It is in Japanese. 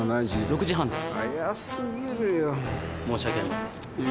６時半です。